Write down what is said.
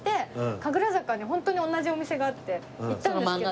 神楽坂にホントに同じお店があって行ったんですけど。